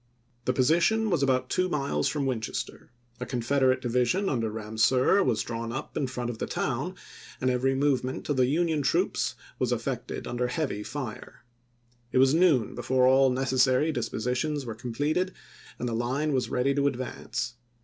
The position was about two miles from Winchester; a Confederate division under Ramseur was drawn up in front of the town, and every movement of the Union troops was effected under heavy fire. It was noon before all necessary dispositions were completed and the line was ready to advance.